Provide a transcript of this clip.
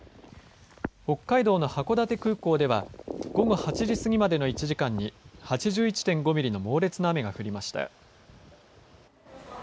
北海道の函館空港では午後８時過ぎまでの１時間に８１．５ミリの猛烈な雨が降りました。